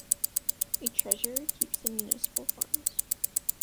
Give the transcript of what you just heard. A treasurer keeps the municipal funds.